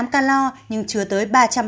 sáu mươi tám calor nhưng chứa tới